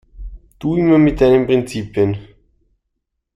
Du immer mit deinen Prinzipien!